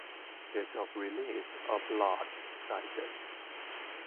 Date of release of large sizes.